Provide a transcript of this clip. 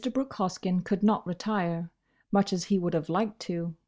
Brooke Hoskyn could not retire, much as he would have liked to.